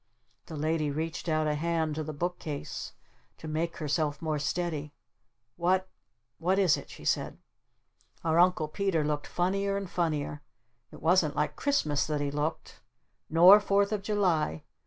The Lady reached out a hand to the book case to make herself more steady. "What what is it?" she said. Our Uncle Peter looked funnier and funnier. It wasn't like Christmas that he looked. Nor Fourth of July.